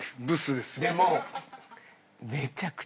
でも。